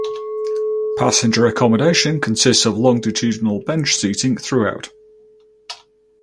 Passenger accommodation consists of longitudinal bench seating throughout.